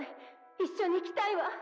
一緒にいきたいわ。